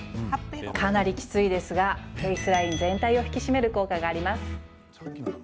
かなりきついですがフェースライン全体を引き締める効果があります。